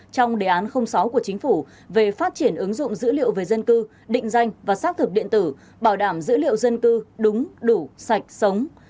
trong đề án sáu của chính phủ về phát triển ứng dụng dữ liệu về dân cư định danh và xác thực điện tử bảo đảm dữ liệu dân cư đúng đủ sạch sống